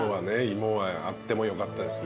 芋はあってもよかったですね。